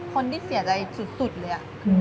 คนที่เสียใจสุดเลย